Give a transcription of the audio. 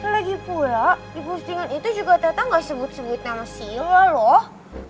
lagipula di postingan itu juga tata gak sebut sebut nama silla loh